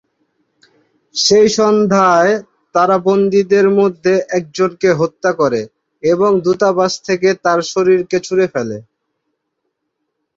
সেই সন্ধ্যায়, তারা বন্দীদের মধ্যে একজনকে হত্যা করে এবং দূতাবাস থেকে তার শরীরকে ছুঁড়ে ফেলে।